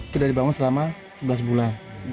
sudah dibangun selama sebelas bulan